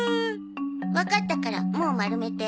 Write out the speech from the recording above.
わかったからもう丸めて。